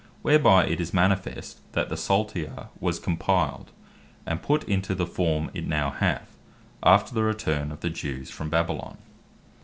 whereby it is manifest that the Psalter was compiled, and put into the form it now hath, after the return of the Jews from Babylon.